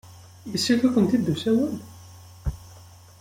Yessaki-kent-id usawal?